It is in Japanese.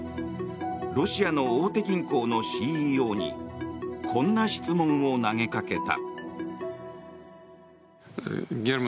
ロシアの大手銀行のＣＥＯにこんな質問を投げかけた。